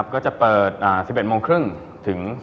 ก็จะเปิด๑๑๓๐ถึง๓๓๐